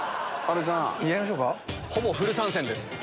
ほぼフル参戦です。